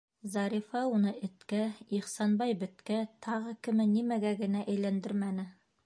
Зарифа уны эткә, Ихсанбай беткә, тағы кеме нимәгә генә әйләндермәне!